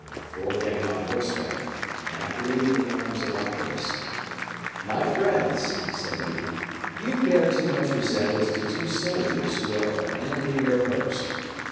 Before getting on horseback, and after leaving the arms of Athos: "My friends," said he, "you bear too much resemblance to two soldiers who are abandoning their post.